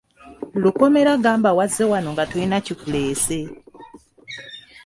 Lukomera gamba wazze wano nga tolina kikuleese?